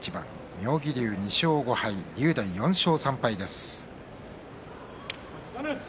妙義龍、２勝５敗竜電、４勝３敗です。